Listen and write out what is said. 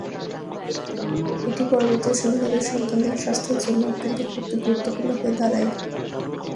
এটি পরবর্তী সময়ে তাদের সন্তানদের স্বাস্থ্যের জন্য অত্যন্ত গুরুত্বপূর্ণ হয়ে দাঁড়ায়।